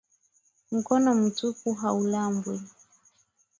Mkono mtupu haulambwi